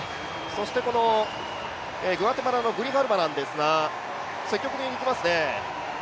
そしてグアテマラのグリハルバなんですが積極的にいきますね。